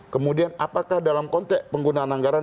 kemudian apakah dalam konteks penggunaan anggaran